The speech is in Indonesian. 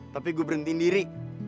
tapi gua berhentiin diri